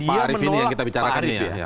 ini pak arief ini yang kita bicarakan ya